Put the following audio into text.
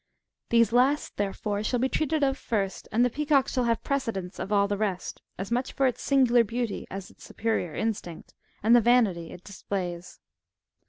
These last, therefore, shall be treated of first, and the peacock shall have precedence of aU the rest, as much for its singular beauty as its superior instinct, and the vanity it displays.